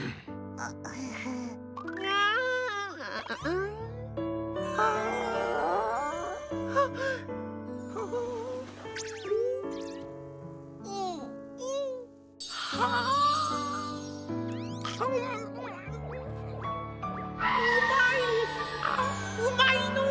ああうまいのう！